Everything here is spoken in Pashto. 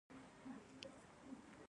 ایا ستاسو مسؤلیت دروند دی؟